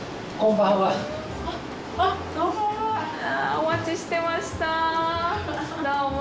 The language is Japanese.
お待ちしてましたどうも。